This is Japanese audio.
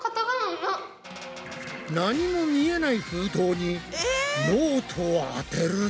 何も見えない封筒にノートをあてると。